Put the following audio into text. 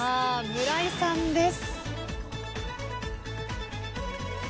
村井さんです。